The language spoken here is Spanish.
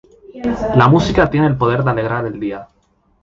La música tiene el poder de alegrar el día.